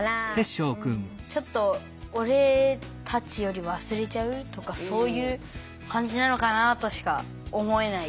ちょっと俺たちより忘れちゃう？とかそういう感じなのかなとしか思えない。